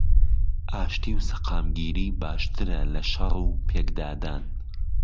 ئاشتی و سەقامگیری باشترە لەشەڕ و پێکدادان